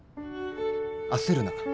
焦るな。